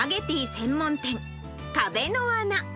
専門店、壁の穴。